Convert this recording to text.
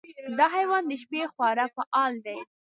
دا حیوان د شپې خورا فعال دی.